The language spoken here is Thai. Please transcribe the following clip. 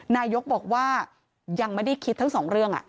นายกบอกว่ายังไม่ได้คิดทั้งสองเรื่อง